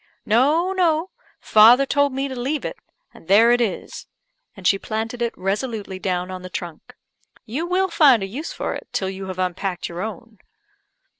"No, no; father told me to leave it and there it is;" and she planted it resolutely down on the trunk. "You will find a use for it till you have unpacked your own."